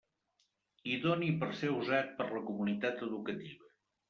Idoni per ser usat per la comunitat educativa.